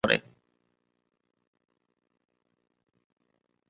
ফারের পুত্ররা ডাইসির ভাই জেমস এবং স্যামির উপর মনোযোগ কেন্দ্রীভূত করে।